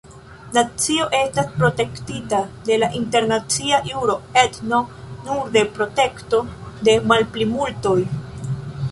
Nacio estas protektita de la internacia juro, etno nur de protekto de malplimultoj.